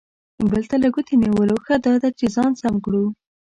بل ته له ګوتې نیولو، ښه دا ده چې ځان سم کړو.